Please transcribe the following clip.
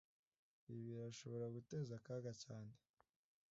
Ibi birashobora guteza akaga cyane.